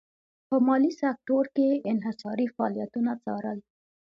په مالي سکتور کې یې انحصاري فعالیتونه څارل.